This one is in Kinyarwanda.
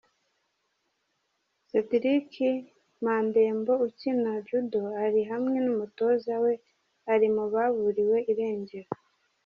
sediriki Mandembo ukina judo ari hamwe n’umutoza we ari mu baburiwe irengero.